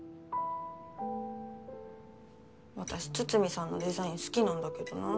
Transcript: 私筒見さんのデザイン好きなんだけどなぁ。